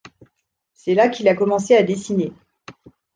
C'est là qu'il a commencé à dessiner.